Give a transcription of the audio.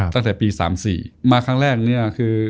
ตั้งแต่ปี๓๔มาครั้งแรกเนี่ยคือ